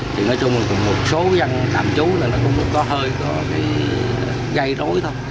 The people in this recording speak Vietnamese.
thì nói chung là một số dân tạm trú là nó cũng có hơi gây rối thôi